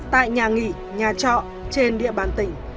tại nhà nghỉ nhà trọ trên địa bàn tỉnh